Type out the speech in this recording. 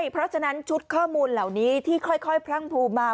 เพราะฉะนั้นชุดข้อมูลเหล่านี้ที่ค่อยพรั่งภูมิมา